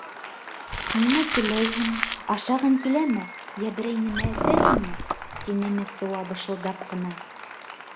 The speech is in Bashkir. — Нимә теләйһең: ашағың киләме, йә берәй нәмә әсәһеңме? — тине Мессуа бышылдап ҡына.